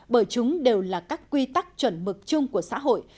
bởi chúng đều là các quy tắc chuẩn mực chung của xã hội